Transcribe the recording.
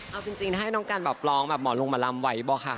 เอาจริงถ้าให้น้องกันแบบร้องแบบหมอลงมาลำไว้บ่ค่ะ